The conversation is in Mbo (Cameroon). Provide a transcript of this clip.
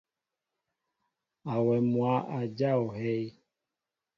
Awem mwă a jáa ohɛy.